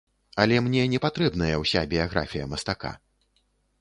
Але мне не патрэбная ўся біяграфія мастака.